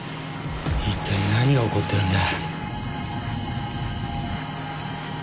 いったい何が起こってるんだ。